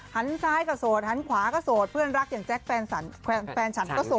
หันซ้ายก็โสดหันขวาก็โสดเพื่อนรักอย่างแจ๊คแฟนฉันก็โสด